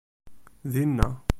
Dinna.